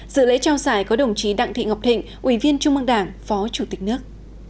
dự lễ trao giải có đồng chí đặng thị ngọc thịnh ủy viên trung mương đảng phó chủ tịch nước